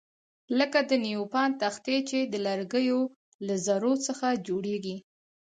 لکه د نیوپان تختې چې د لرګیو له ذرو څخه جوړیږي.